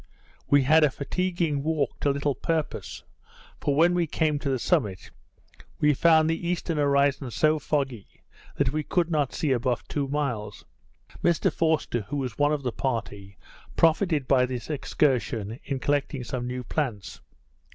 We had a fatiguing walk to little purpose; for when we came to the summit, we found the eastern horizon so foggy, that we could not see above two miles. Mr Forster, who was one of the party, profited by this excursion, in collecting some new plants.